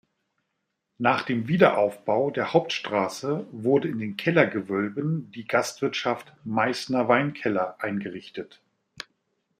Nach dem Wiederaufbau der Hauptstraße wurde in den Kellergewölben die Gastwirtschaft „Meißner Weinkeller“ eingerichtet.